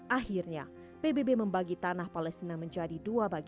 akhirnya pbb membagi tanah palestina menjadi jalan